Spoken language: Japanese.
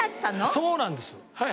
そうなんです。